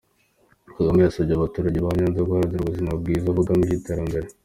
Kagame yasabye abaturage ba Nyanza guharanira ubuzima bwiza, bugamije iterambere.